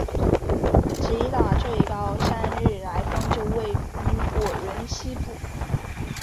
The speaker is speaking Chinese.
吉打最高山日莱峰就位于莪仑西部。